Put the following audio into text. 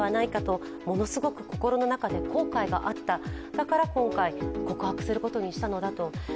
だから今回、告白することにしたのだと。